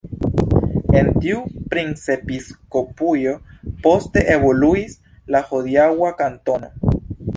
El tiu princepiskopujo poste evoluis la hodiaŭa kantono.